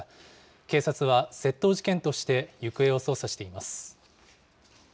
警察は窃盗事件として行方を捜査しています。